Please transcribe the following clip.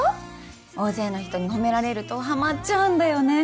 大勢の人に褒められるとハマっちゃうんだよね。